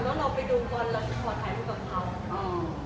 อยากลองไปดูก่อนก็ไปกันกันกันต่าง